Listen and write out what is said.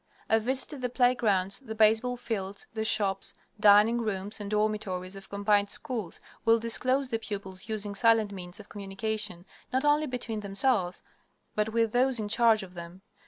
A visit to the playgrounds, the baseball fields, the shops, dining rooms, and dormitories of "combined" schools will disclose the pupils using silent means of communication, not only between themselves, _but with those in charge of them.